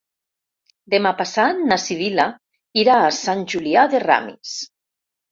Demà passat na Sibil·la irà a Sant Julià de Ramis.